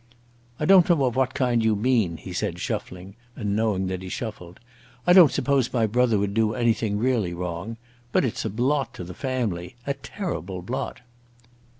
"I don't know of what kind you mean," he said, shuffling, and knowing that he shuffled. "I don't suppose my brother would do anything really wrong. But it's a blot to the family a terrible blot."